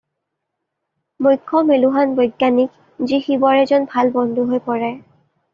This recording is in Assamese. মুখ্য মেলুহান বৈজ্ঞানিক যি শিৱৰ এজন ভাল বন্ধু হৈ পৰে।